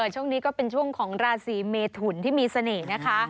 ช่วงนี้ก็เป็นช่วงของราศีเมทุนที่มีเสน่ห์นะคะ